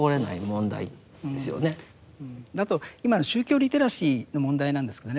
あと今の宗教リテラシーの問題なんですけどね